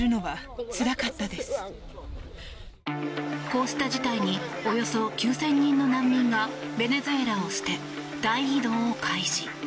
こうした事態におよそ９０００人の難民がベネズエラを捨て大移動を開始。